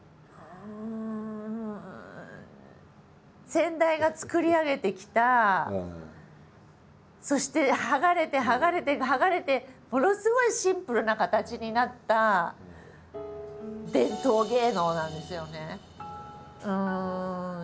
先代が作り上げてきたそして剥がれて剥がれて剥がれてものすごいシンプルな形になった伝統芸能なんですよね。